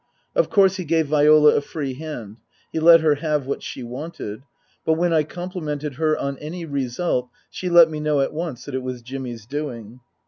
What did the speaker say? Of course he gave Viola a free hand, he let her have what she wanted ; but when I complimented her on any result she let me know at once that it was Jimmy's doing.